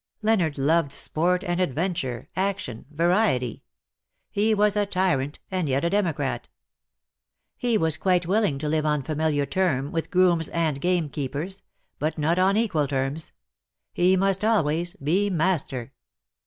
Leonard loved sport and adventure, action, variety. He was a tyrant, and yet a democrat. He was quite willing to live on familiar term with grooms and game keepers — but not on equal terms. He must always be master.